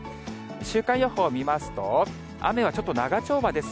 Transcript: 週間予報見ますと、雨はちょっと長丁場です。